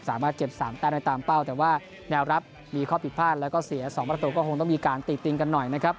สามารถเก็บ๓แต้มได้ตามเป้าแต่ว่าแนวรับมีข้อผิดพลาดแล้วก็เสีย๒ประตูก็คงต้องมีการติดติงกันหน่อยนะครับ